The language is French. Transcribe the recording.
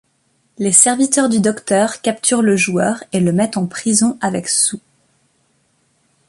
Les serviteurs du Docteur capturent le joueur et le mettent en prison avec Sue.